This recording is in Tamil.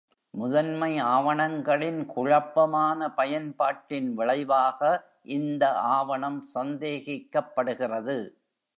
முதன்மை ஆவணங்களின் குழப்பமான பயன்பாட்டின் விளைவாக இந்த ஆவணம் சந்தேகிக்கப்படுகிறது.